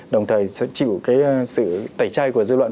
đồng thời sẽ chịu cái sự tẩy chay của dư luận